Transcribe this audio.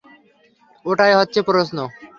ওটাই হচ্ছে প্রশ্ন।